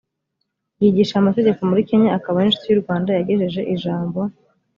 ryigisha amategeko muri kenya akaba n inshuti y u rwanda yagejeje ijambo